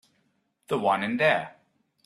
The one in there.